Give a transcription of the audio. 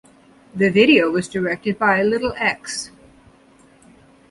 The video was directed by Little X.